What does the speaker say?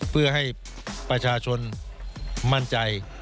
เพื่อให้ประชาชนมั่นใจ